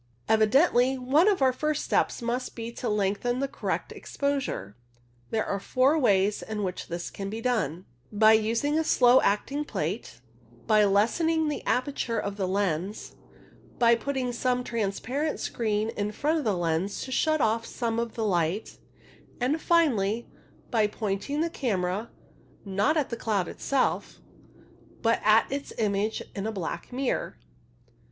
Evidently one of our first steps must be to lengthen the correct exposure. There are four ways in which this can be done — by using a slow acting plate, by lessening the aperture of the lens, by putting some transparent screen in front of the lens to shut off some of the light, and, finally, by pointing the camera, not at the cloud itself, but at its image in a black mirror.